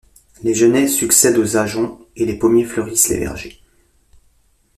Les genêts succèdent aux ajoncs et les pommiers fleurissent les vergers.